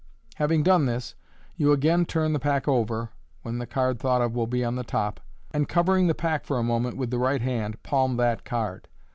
Having done this, you again turn the pack over (when the card thought of will be on the top), and, covering the pack for a moment with the right hand, palm that card.